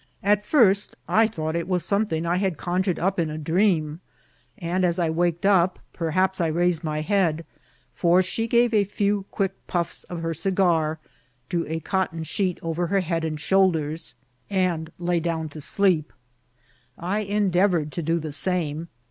At first I thought it was something I had conjured up in a dream ; and as I waked up perhaps I raised my head, for she gave a few quick pufb of her cigar, drew a cotton sheet over her head and shoulders, and lay down to PRIMITIVE C08TUMB8. 67 Bleep. I endeavoured to do the same.